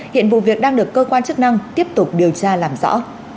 hiện vụ việc đang được cơ quan chức năng tiếp tục điều tra làm rõ